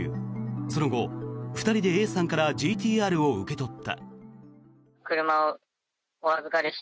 その後、２人でＡさんからＧＴ−Ｒを受け取った。